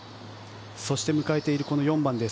そして、迎えている４番です。